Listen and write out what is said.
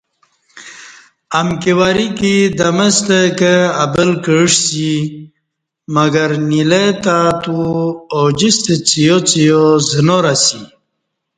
امکی وریکہ دمستہ کہ ابل کعسی مگر نیلہ تہ اتو اوجِستہ څِیا څِیا زنار اسی